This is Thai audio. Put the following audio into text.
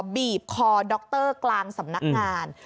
บีบคอดรกลางสำนักงาน